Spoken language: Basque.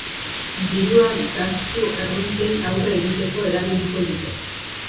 Dirua gastu arruntei aurre egiteko erabiliko dute.